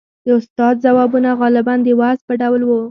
• د استاد ځوابونه غالباً د وعظ په ډول وو.